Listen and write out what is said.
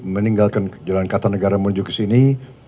meninggalkan jalan kartanegara menuju ke sini